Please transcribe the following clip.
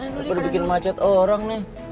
biar udah bikin macet orang nih